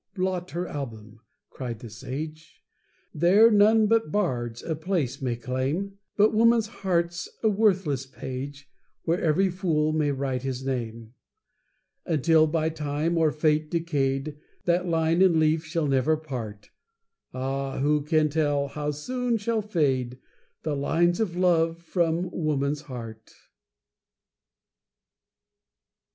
blot her album," cried the sage, "There none but bards a place may claim; But woman's heart's a worthless page, Where every fool may write his name." Until by time or fate decayed, That line and leaf shall never part; Ah! who can tell how soon shall fade The lines of love from woman's heart.